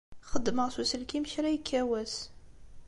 Xeddmeɣ s uselkim kra yekka wass.